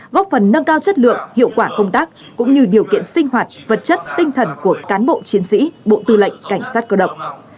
góp phần nâng cao chất lượng hiệu quả công tác cũng như điều kiện sinh hoạt vật chất tinh thần của cán bộ chiến sĩ bộ tư lệnh cảnh sát cơ động